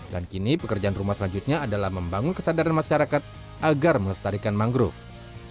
dan kini pekerjaan rumah selanjutnya adalah membangun kesadaran masyarakat agar melestarikan mangrove